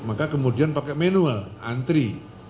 maka kemudian pakai manual antri